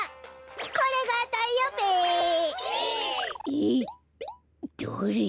えっどれ！？